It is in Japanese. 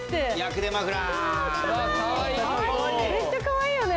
めっちゃかわいいよね。